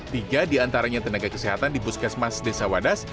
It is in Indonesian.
tiga diantaranya tenaga kesehatan di puskesmas desa wadas